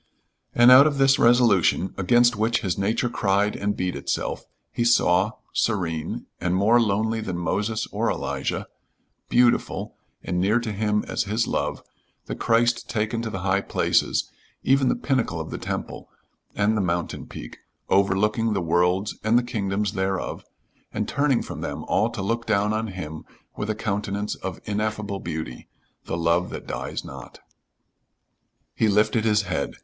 And out of this resolution, against which his nature cried and beat itself, he saw, serene, and more lonely than Moses or Elijah, beautiful, and near to him as his love, the Christ taken to the high places, even the pinnacle of the temple and the mountain peak, overlooking the worlds and the kingdoms thereof, and turning from them all to look down on him with a countenance of ineffable beauty the love that dies not. He lifted his head.